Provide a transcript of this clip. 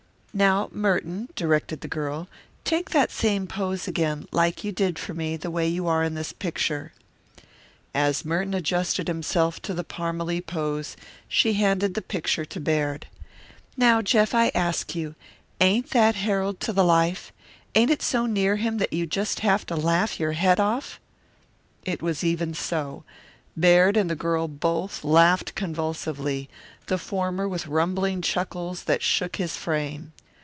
"Now, Merton," directed the girl, "take that same pose again, like you did for me, the way you are in this picture." As Merton adjusted himself to the Parmalee pose she handed the picture to Baird. "Now, Jeff, I ask you ain't that Harold to the life ain't it so near him that you just have to laugh your head off?" It was even so. Baird and the girl both laughed convulsively, the former with rumbling chuckles that shook his frame.